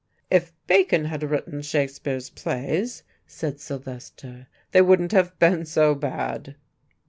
"If Bacon had written Shakespeare's plays," said Silvester, "they wouldn't have been so bad."